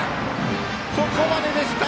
ここまででした。